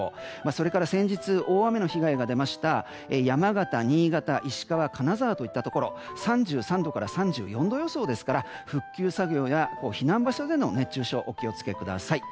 それから先日大雨の被害が出た山形、新潟、石川金沢といったところ３３度から３４度予想ですから復旧作業や避難場所での熱中症お気をつけください。